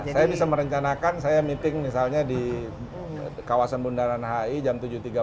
saya bisa merencanakan saya meeting misalnya di kawasan bundaran hi jam tujuh tiga puluh